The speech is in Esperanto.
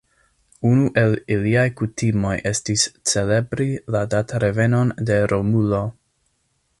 Unu el iliaj kutimoj estis celebri la datrevenon de Romulo.